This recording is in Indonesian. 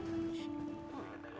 sipa buang air ya